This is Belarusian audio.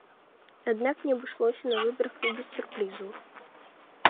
Аднак не абышлося на выбарах і без сюрпрызаў.